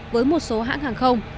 với một số hãng hàng không